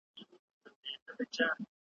مغلق او پرله پېچلي ,